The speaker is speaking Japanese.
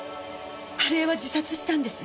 春枝は自殺したんです。